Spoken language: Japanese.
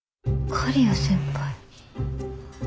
刈谷先輩。